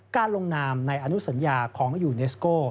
ลงนามในอนุสัญญาของยูเนสโก้